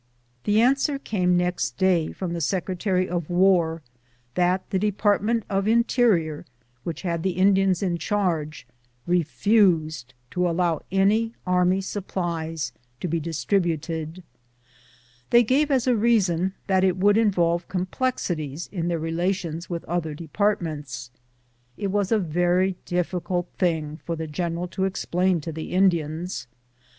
The answer came next day from the Secretary of War that the Department of the Interior which had the In dians in charge refused to allow any army supplies to be distributed. They gave as a reason that it would in volve complexities in their relations with other depart ments. It was a very difficult thing for the general to explain to the Indians.